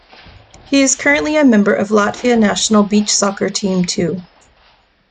He is currently a member of Latvia national beach soccer team too.